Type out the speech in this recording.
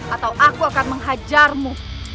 atau aku akan menghajarmu